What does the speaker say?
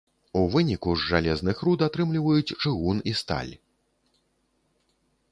У выніку з жалезных руд атрымліваюць чыгун і сталь.